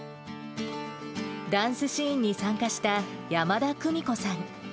ダンスシーンに参加した山田久美子さん。